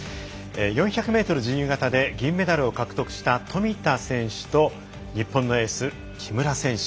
４００ｍ自由形で銀メダルを獲得した富田選手と日本のエース木村選手。